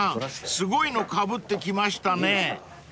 すごいのかぶってきましたね］